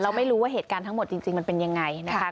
ไม่รู้ว่าเหตุการณ์ทั้งหมดจริงมันเป็นยังไงนะคะ